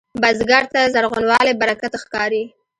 بزګر ته زرغونوالی برکت ښکاري